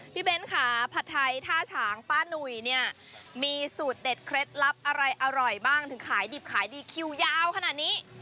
เบ้นค่ะผัดไทยท่าฉางป้านุ่ยเนี่ยมีสูตรเด็ดเคล็ดลับอะไรอร่อยบ้างถึงขายดิบขายดีคิวยาวขนาดนี้